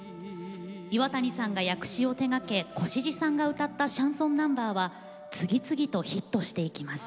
岩谷さんが訳詞を手がけ越路さんが歌ったシャンソンナンバーは次々とヒットしていきます。